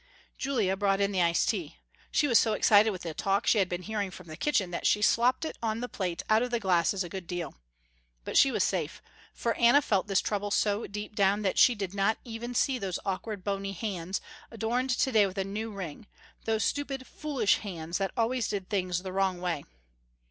Julia brought in the ice tea. She was so excited with the talk she had been hearing from the kitchen, that she slopped it on the plate out of the glasses a good deal. But she was safe, for Anna felt this trouble so deep down that she did not even see those awkward, bony hands, adorned today with a new ring, those stupid, foolish hands that always did things the wrong way.